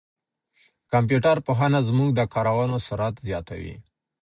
کمپيوټر پوهنه زموږ د کارونو سرعت زیاتوي.